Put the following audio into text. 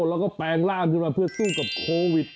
แล้วก็แปลงร่างขึ้นมาเพื่อสู้กับโควิด